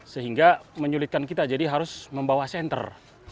sehingga menyulitkan kita jadi harus membawa senter